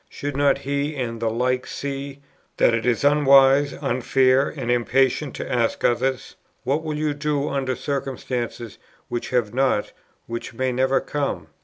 Should not he and the like see, that it is unwise, unfair, and impatient to ask others, What will you do under circumstances, which have not, which may never come?